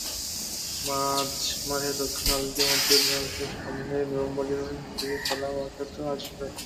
মাঝ মাঠের দক্ষ নাবিকের মতোই অধিনায়কত্ব সামলাবেন নুরেমবার্গের হয়ে খেলা মাকোতো হাসেবে।